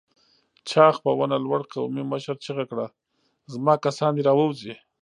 چاغ په ونه لوړ قومي مشر چيغه کړه! زما کسان دې راووځي!